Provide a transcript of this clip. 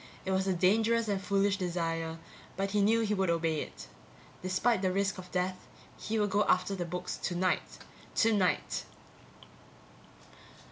It was a dangerous and foolish desire, but he knew he would obey it. Despite the risk of death, he would go after the books tonight. _Tonight.